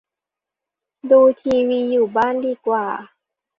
ดูทีวีอยู่บ้านดีกว่า